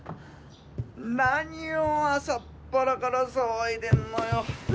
何を朝っぱらから騒いでんのよ。